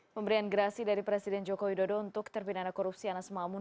pemberian gerasi dari presiden joko widodo untuk terpidana korupsi anas mamun